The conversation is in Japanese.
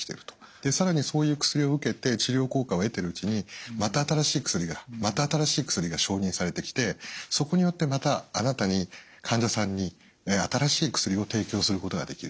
で更にそういう薬を受けて治療効果を得てるうちにまた新しい薬がまた新しい薬が承認されてきてそこによってまたあなたに患者さんに新しい薬を提供することができる。